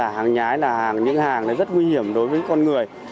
hàng nhái là những hàng rất nguy hiểm đối với con người